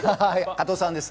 加藤さんです。